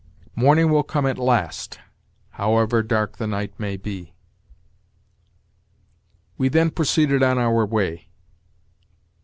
"Morning will come at last, however dark the night may be." "We then proceeded on our way."